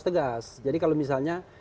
tegas jadi kalau misalnya